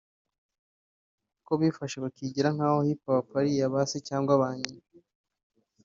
ko ``bifashe bakigira nk’aho Hip Hop ari iya ba se cyangwa ba nyina’’